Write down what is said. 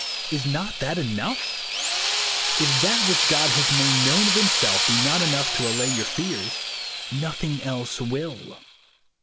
Is not that enough ? If that which God has made known of himself be not enough to allay your fears, nothing else will.